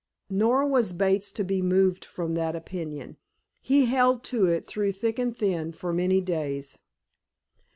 Nor was Bates to be moved from that opinion. He held to it, through thick and thin, for many days.